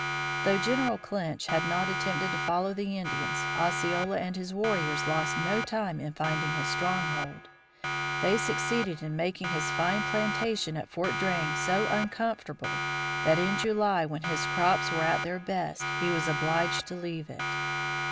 Though General Clinch had not attempted to follow the Indians, Osceola and his warriors lost no time in finding his stronghold. They succeeded in making his fine plantation at Fort Drane so uncomfortable that in July when his crops were at their best he was obliged to leave it.